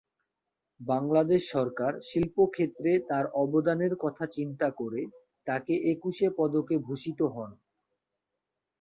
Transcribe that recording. বাংলাদেশ সরকার শিল্পক্ষেত্রে তার অবদানের কথা চিন্তা করে তাকে একুশে পদকে ভূষিত হন।